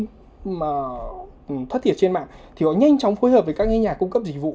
họ thất thiệt trên mạng thì họ nhanh chóng phối hợp với các cái nhà cung cấp dịch vụ